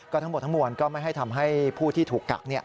ทั้งหมดทั้งมวลก็ไม่ให้ทำให้ผู้ที่ถูกกัก